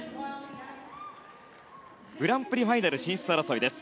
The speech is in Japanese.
グランプリファイナル進出争いです。